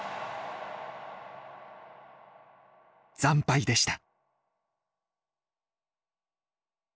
惨敗でした。